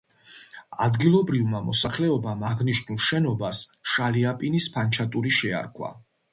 ადგილობრივმა მოსახლეობამ აღნიშნულ შენობას შალიაპინის ფანჩატური შეარქვა.